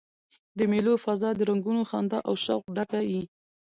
د مېلو فضا د رنګونو، خندا او شوق ډکه يي.